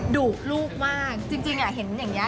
ดุลูกมากจริงเห็นอย่างนี้